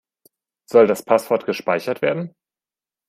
Soll das Passwort gespeichert werden?